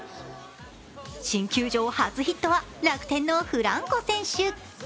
新球場初ヒットは楽天のフランコ選手。